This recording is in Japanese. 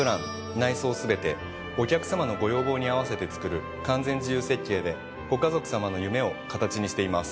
内装全てお客様のご要望に合わせてつくる完全自由設計でご家族さまの夢を形にしています。